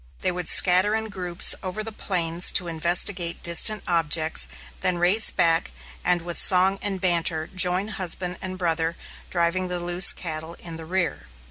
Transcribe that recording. They would scatter in groups over the plains to investigate distant objects, then race back, and with song and banter join husband and brother, driving the loose cattle in the rear.